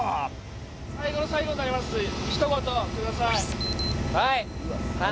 最後の最後になります一言くださいはい！